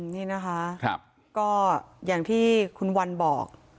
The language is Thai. นี่นะคะก็อย่างที่คุณวันบอก